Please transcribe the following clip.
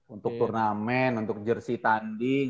untuk turnamen untuk jersi tanding